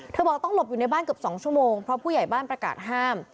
บอกต้องหลบอยู่ในบ้านเกือบ๒ชั่วโมงเพราะผู้ใหญ่บ้านประกาศห้าม